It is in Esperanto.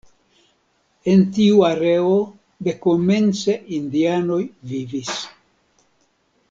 En tiu areo dekomence indianoj vivis.